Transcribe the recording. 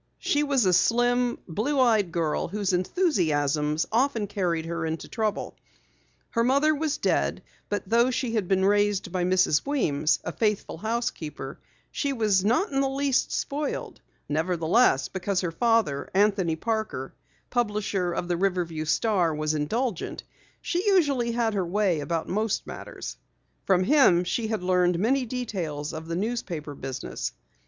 She was a slim, blue eyed girl whose enthusiasms often carried her into trouble. Her mother was dead, but though she had been raised by Mrs. Weems, a faithful housekeeper, she was not in the least spoiled. Nevertheless, because her father, Anthony Parker, publisher of the Riverview Star was indulgent, she usually had her way about most matters. From him she had learned many details of the newspaper business.